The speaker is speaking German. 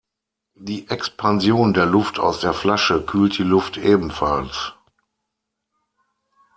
Die Expansion der Luft aus der Flasche kühlt die Luft ebenfalls.